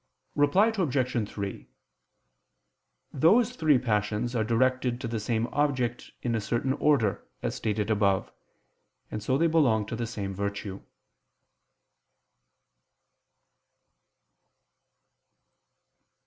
Reply Obj. 3: Those three passions are directed to the same object in a certain order, as stated above: and so they belong to the same virtue.